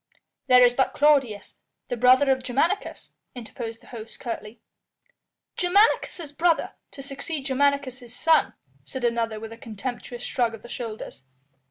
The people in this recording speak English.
"There is but Claudius, the brother of Germanicus," interposed the host curtly. "Germanicus' brother to succeed Germanicus' son," said another with a contemptuous shrug of the shoulders.